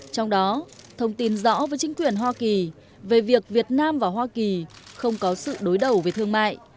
trong đó thông tin rõ với chính quyền hoa kỳ về việc việt nam và hoa kỳ không có sự đối đầu về thương mại